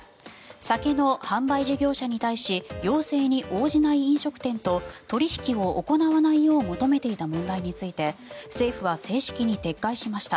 酒の販売事業者に対し要請に応じない飲食店と取引を行わないよう求めていた問題について政府は正式に撤回しました。